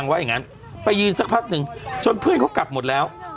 นั่งไว้อย่างงานไปยืนสักครั้งนึงจนเพื่อนเขากลับหมดแล้ว